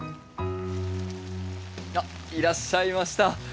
あっいらっしゃいました。